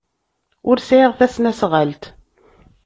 Ur sɛiɣ tasnasɣalt.